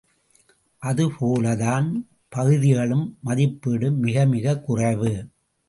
அதுபோலத்தான் பகுதிகளுக்கு மதிப்பீடும் மிக மிகக் குறைவு!